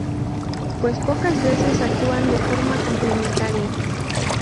Pues pocas veces actúan de forma complementaria.